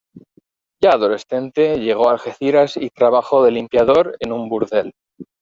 Ya adolescente, llegó a Algeciras y trabajó de limpiador en un burdel.